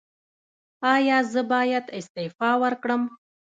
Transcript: ایا زه باید استعفا ورکړم؟